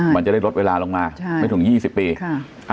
มันจะได้ลดเวลาลงมาไม่ถึง๒๐ปี